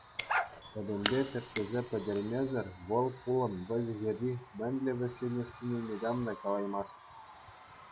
Пӗтӗмпе тӗпчесе пӗтермесӗр вӑл пулӑм вӗҫӗ-хӗрри мӗнле вӗҫленессине никам та калаймасть.